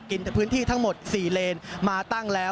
พื้นที่ทั้งหมด๔เลนมาตั้งแล้ว